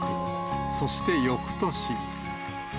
そしてよくとし。